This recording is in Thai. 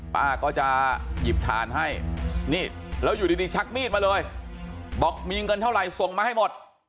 ป้าก็จะหยิบทานให้นี่แล้วอยู่ดีชักมีดมาเลยบอกมีเงินเท่าไหร่ส่งมาให้หมด